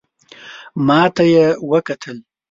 ماته یې وکتل .